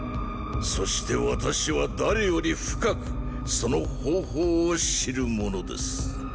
そして私は誰より深くその方法を知る者です。